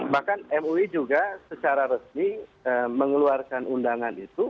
bahkan mui juga secara resmi mengeluarkan undangan itu